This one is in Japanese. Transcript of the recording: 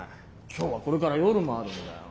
今日はこれから夜もあるんだよ。